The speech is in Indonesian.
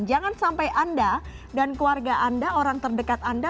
jangan sampai anda dan keluarga anda orang terdekat anda